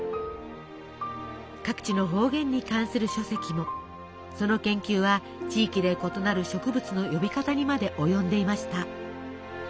各地の方言に関する書籍もその研究は地域で異なる植物の呼び方にまで及んでいました。